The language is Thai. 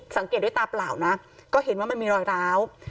สังเกตด้วยตาเปล่านะก็เห็นว่ามันมีรอยร้าว